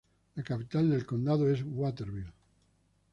La capital del condado es Waterville.